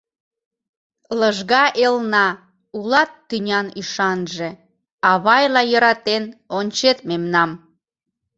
Лыжга элна, улат тӱнян ӱшанже, Авайла йӧратен ончет мемнам.